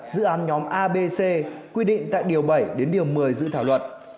dự án nhóm abc quy định tại điều bảy đến điều một mươi dự thảo luật